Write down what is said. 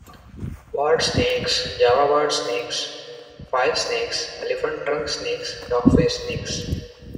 Wart snakes, Java wart snakes, file snakes, elephant trunk snakes, dogface snakes.